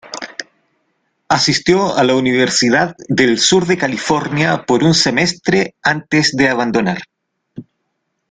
Asistió a la Universidad del Sur de California por un semestre antes de abandonar.